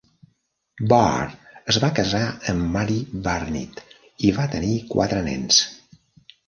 Burr es va casar amb Marie Barnitt i va tenir quatre nens.